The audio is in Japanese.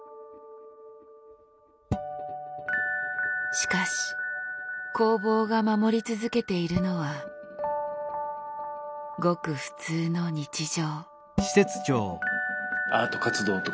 しかし工房が守り続けているのはごく普通の日常。